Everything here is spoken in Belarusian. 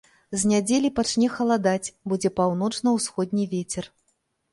З нядзелі пачне халадаць, будзе паўночна-ўсходні вецер.